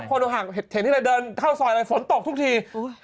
คนออกหักเห็นที่เราเดินเท่าซอยไหมฝนตกทุกที